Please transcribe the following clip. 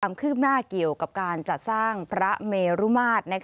ความคืบหน้าเกี่ยวกับการจัดสร้างพระเมรุมาตร